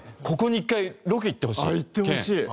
ここに一回ロケ行ってほしい健。